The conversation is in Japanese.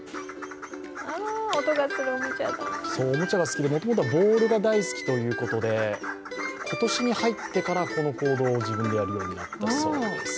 おもちゃが好きで、もともとはボールが大好きということで今年に入ってからこの行動を自分でやるようになったそうです。